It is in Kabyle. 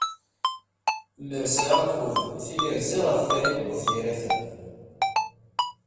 Mer sɛiɣ akud, tili rziɣ ɣef Farid n At Yiraten.